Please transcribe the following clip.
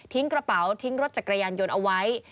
กระเป๋าทิ้งรถจักรยานยนต์เอาไว้